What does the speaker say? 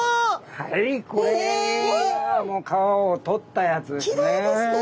はいこれがもう皮をとったやつですね。